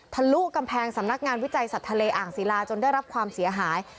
ลุกำแพงสำนักงานวิจัยสัตว์ทะเลอ่างศิลาจนได้รับความเสียหาย